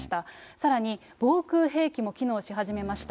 さらに防空兵器も機能し始めました。